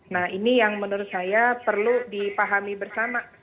nah ini yang menurut saya perlu dipahami bersama